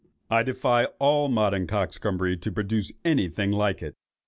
I defy all modern coxcombry to produce any thing like it.